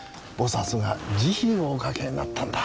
菩薩が慈悲をおかけになったんだ。